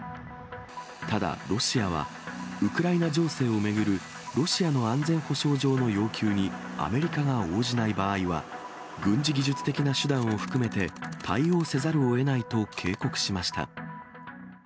ただ、ロシアはウクライナ情勢を巡る、ロシアの安全保障上の要求に、アメリカが応じない場合は、軍事技術的な手段を含めて、対応せざるをえないと警告しました。